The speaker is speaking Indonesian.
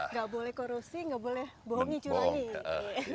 enggak boleh korupsi enggak boleh bohongi curangi